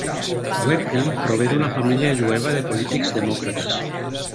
Weprin prové d'una família jueva de polítics demòcrates.